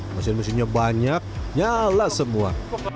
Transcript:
mesin mesinnya banyak nyala semua